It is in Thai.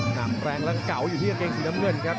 หนักแรงและเก๋าอยู่ที่กางเกงสีน้ำเงินครับ